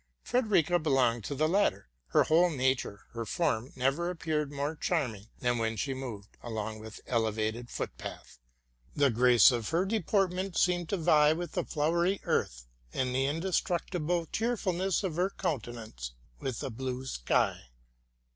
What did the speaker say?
Frederica belonged to the latter. Her whole nature, her form, never appeared more charming than when she moved along an elevated footpath. The grace of her deportment seemed to vie with the flowery earth, and the indestructible cheerfulness of her countenance with the blue sky.